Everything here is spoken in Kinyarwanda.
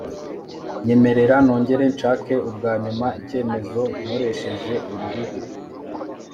nyemerera nongere nshake ubwa nyuma icyemezo nkoresheje uru ruhu